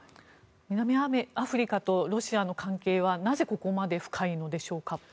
南アフリカとロシアの関係はなぜここまで深いのでしょうか。